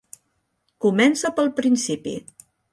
Comença pel principi.